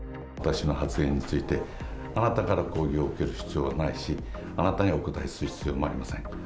私の発言について、あなたから抗議を受ける必要はないし、あなたにお答えする必要もありません。